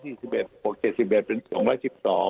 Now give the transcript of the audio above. อีก๑๒เสียงครับ